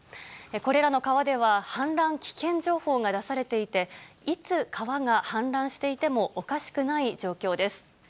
これらの川では氾濫危険情報が出されていて、いつ川が氾濫していてもおかしくない状況です。